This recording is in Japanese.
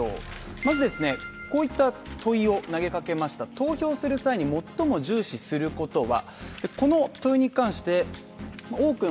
まずこういった問いを投げかけました、投票する際に最も重視することは？